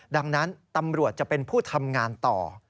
ดังนั้นตำรวจจะเป็นผู้ทำงานต่อ